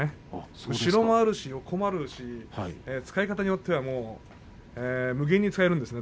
後ろもあるし横もあるし使い方によっては無限に使えるんですね